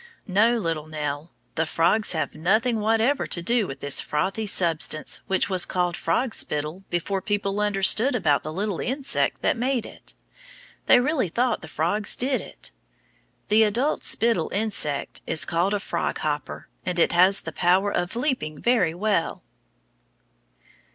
No, little Nell, the frogs have nothing whatever to do with this frothy substance which was called frog spittle before people understood about the little insect that made it. They really thought the frogs did it. The adult spittle insect is called a frog hopper, and it has the power of leaping very well.